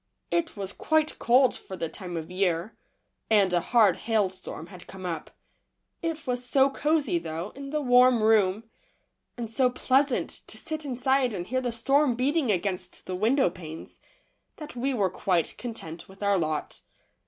It was quite cold for the time of year, and a hard hailstorm had come up. It was so cosey, though, in the warm room, and so pleasant to sit inside and hear the storm beating against the window panes, that we were quite content with our lot.